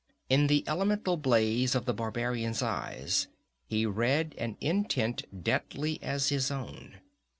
In the elemental blaze of the barbarian's eyes he read an intent deadly as his own.